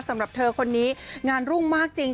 สำหรับเธอคนนี้งานรุ่งมากจริง